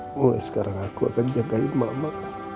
mulai sekarang aku akan jagain mama